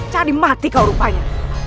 cari mati kau rupanya